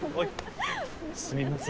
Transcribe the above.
すみません。